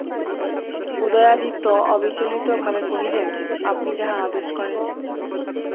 উদয়াদিত্য অবিচলিত ভাবে কহিলেন, আপনি যাহা আদেশ করেন।